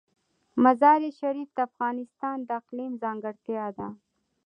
مزارشریف د افغانستان د اقلیم ځانګړتیا ده.